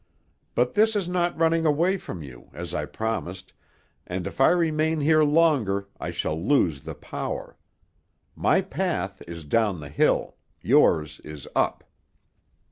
But this is not running away from you, as I promised, and if I remain here longer I shall lose the power. My path is down the hill; yours is up."